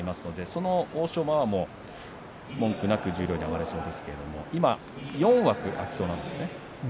その欧勝馬は文句なく十両に上がれそうですけれども今、４枠空きそうなんです。